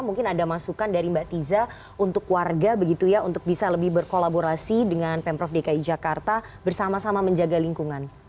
mungkin ada masukan dari mbak tiza untuk warga begitu ya untuk bisa lebih berkolaborasi dengan pemprov dki jakarta bersama sama menjaga lingkungan